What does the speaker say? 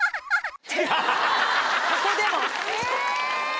ここでも？え！